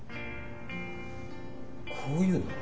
こういうのは？